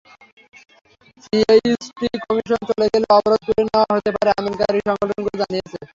CHT commission চলে গেলে অবরোধ তুলে নেওয়া হতে পারে আন্দোলনকারী সংগঠনগুলো জানিয়েছে।